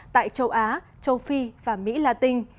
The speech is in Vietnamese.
tại châu á châu phi và mỹ latin